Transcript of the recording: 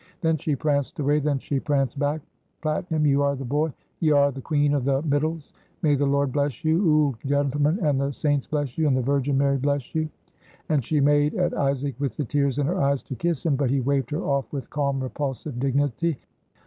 Then she pranced away; then she pranced back. "Platinum, you are the boy; y'are the queen of the mitals. May the Lord bless you, ould gentleman, and the SAINTS BLESS YOU! and the VIRGIN MARY BLESS YOU!"* And she made at Isaac with the tears in her eyes, to kiss him; but he waved her off with calm, repulsive dignity.